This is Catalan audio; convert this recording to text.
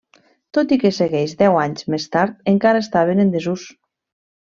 Tot i que segueix deu anys més tard encara estava en desús.